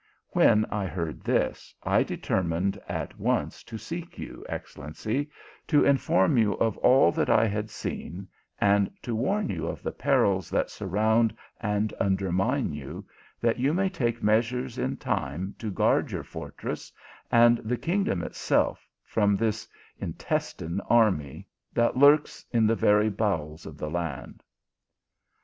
. When I heard this, I deter mined at once to seek your excellency, to inform you of all that I had seen, and to warn you of the perils that surround and undermine you, that you may take measures in time to guard your fortress, and the kingdom itself, from this intestine army that lurks in the very bowels of the land."